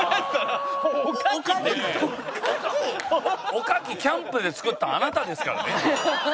おかきキャンプで作ったのあなたですからね。